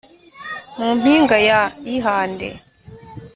Mu mpinga ya yihande